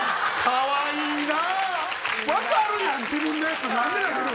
かわいいな。